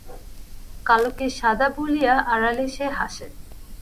কালোকে সাদা বলিয়া আড়ালে সে হাসে।